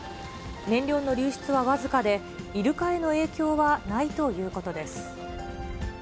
燃料の流出は僅かで、イルカへの影響はないということです。